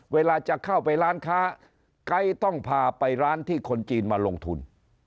เวลาจะเข้าไปร้านค้าไก๊ต้องพาไปร้านที่คนจีนมาลงทุน